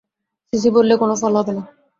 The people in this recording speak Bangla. সিসি বললে, কোনো ফল হবে না।